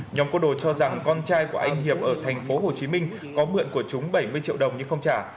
nhóm côn đồ cho rằng con trai của anh hiệp ở tp hồ chí minh có mượn của chúng bảy mươi triệu đồng nhưng không trả